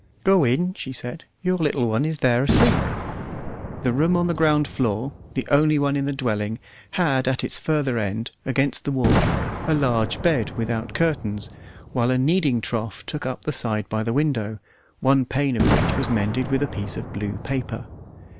"Go in," she said; "your little one is there asleep." The room on the ground floor, the only one in the dwelling, had at its farther end, against the wall, a large bed without curtains, while a kneading trough took up the side by the window, one pane of which was mended with a piece of blue paper.